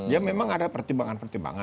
ya memang ada pertimbangan pertimbangan